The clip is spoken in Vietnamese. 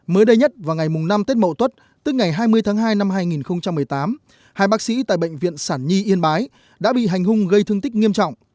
mới đây nhất vào ngày năm tết mậu tuất tức ngày hai mươi tháng hai năm hai nghìn một mươi tám hai bác sĩ tại bệnh viện sản nhi yên bái đã bị hành hung gây thương tích nghiêm trọng